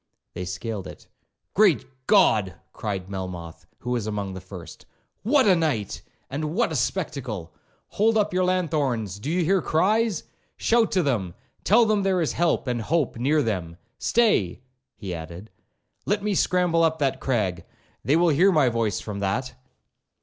They scaled it. 'Great God!' cried Melmoth, who was among the first, 'what a night! and what a spectacle!—Hold up your lanthorns—do you hear cries?—shout to them—tell them there is help and hope near them.—Stay,' he added, 'let me scramble up that crag—they will hear my voice from that.'